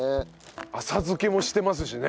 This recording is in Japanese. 浅漬けもしてますしね。